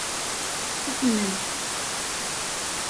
Ad t-neg.